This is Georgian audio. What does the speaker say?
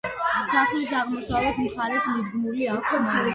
სახლის აღმოსავლეთ მხარეს მიდგმული აქვს მარანი.